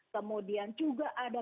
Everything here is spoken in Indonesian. kemudian juga ada